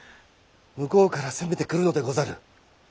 向こうから攻めてくるのでござる。